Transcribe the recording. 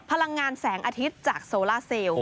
พลังงานแสงอาทิตย์จากโซล่าเซล